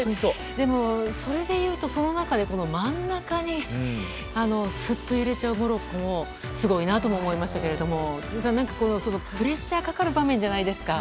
でも、それでいうとその中で真ん中にすっと入れちゃうモロッコもすごいなとも思いましたけれども辻さん、プレッシャーかかる場面じゃないですか。